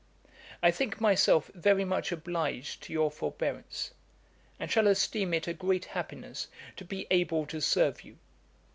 I think myself very much obliged to your forbearance, and shall esteem it a great happiness to be able to serve you.